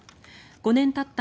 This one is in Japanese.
５年たった